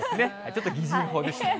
ちょっと擬人法でした。